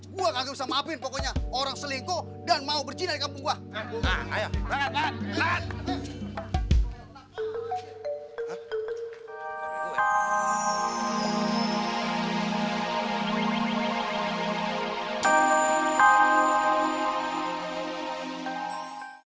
gue gak bisa maafin pokoknya orang selingkuh dan mau berjinah di kampung gue